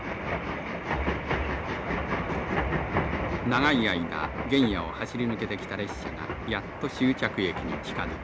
長い間原野を走り抜けてきた列車がやっと終着駅に近づく。